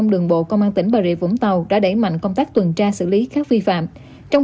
doanh thu giảm trầm trọng